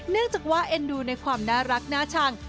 เนื่องจากว่าเอ็นดูในความน่ารักน่าชัง